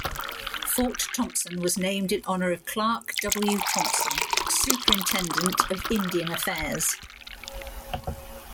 Fort Thompson was named in honor of Clark W. Thompson, Superintendent of Indian Affairs.